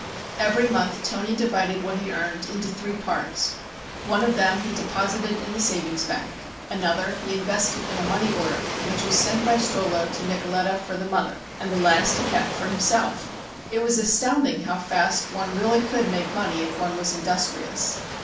Every month Toni divided what he earned into three parts. One of them he deposited in the savings bank, another he invested in a money order which was sent by Strollo to Nicoletta for the mother, and the last he kept for himself. It was astounding how fast one really could make money if one was industrious.